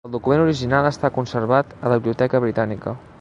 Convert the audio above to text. El document original està conservat a la Biblioteca Britànica.